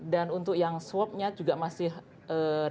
dan untuk yang swapnya juga masih relatifnya